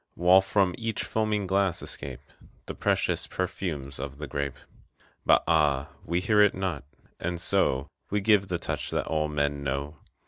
While from each foaming glass escape The precious perfumes of the grape. But ah, we hear it not, and so We give the touch that all men know.